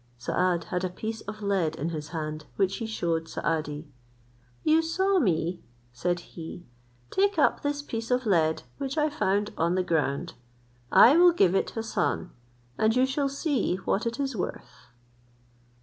Saad had a piece of lead in his hand, which he shewed Saadi. "You saw me," said he, "take up this piece of lead, which I found on the ground; I will give it Hassan, and you shall see what it is worth."